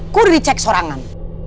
ku di recheck sorangan